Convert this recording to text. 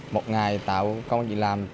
một ngày tạo công việc làm